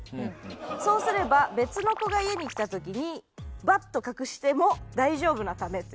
そうすれば別の子が家に来た時にバッと隠しても大丈夫なためという。